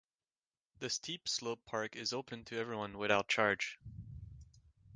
The steep slope park is open to everyone without charge.